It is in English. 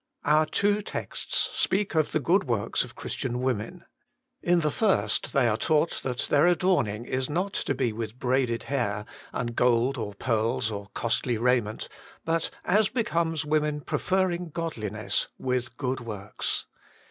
Our two texts speak of the good works of Christian women. In the first they are taught that their adorning is to be not with braided hair, and gold or pearls or costly raiment, but, as becomes women preferring godliness, with good works.